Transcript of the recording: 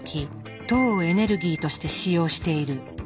糖をエネルギーとして使用している。